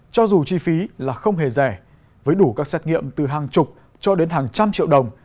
cho dù chi phí là không hề rẻ với đủ các xét nghiệm từ hàng chục cho đến hàng trăm triệu đồng